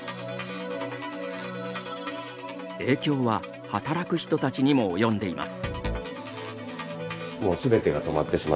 影響は働く人たちにも及んでいます。